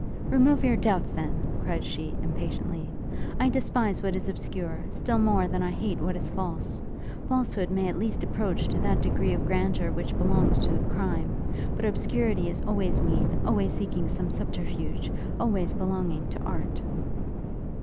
'Remove your doubts, then!' cried she, impatiently; 'I despise what is obscure, still more than I hate what is false. Falsehood may at least approach to that degree of grandeur which belongs to crime; but obscurity is always mean, always seeking some subterfuge, always belonging to art.'